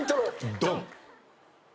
ドン！